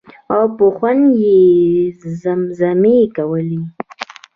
او په خوند یې زمزمې کولې.